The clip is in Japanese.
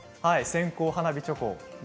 線香花火チョコ。